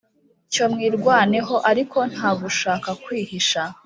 cyo mwirwaneho ariko nta gushaka kwihisha